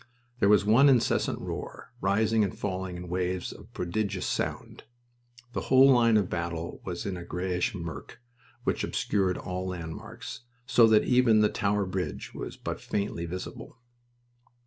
There was one incessant roar rising and falling in waves of prodigious sound. The whole line of battle was in a grayish murk, which obscured all landmarks, so that even the Tower Bridge was but faintly visible.